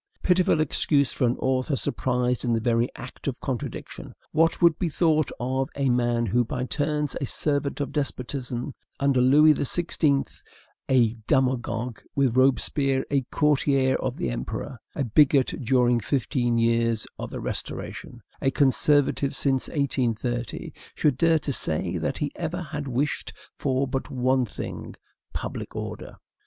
Pitiful excuse for an author surprised in the very act of contradiction! What would be thought of a man who, by turns a servant of despotism under Louis XVI, a demagogue with Robespierre, a courtier of the Emperor, a bigot during fifteen years of the Restoration, a conservative since 1830, should dare to say that he ever had wished for but one thing, public order?